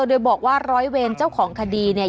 โดยบอกว่าร้อยเวรเจ้าของคดีเนี่ย